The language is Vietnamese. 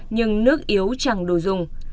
nhưng nước yếu chẳng đủ dùng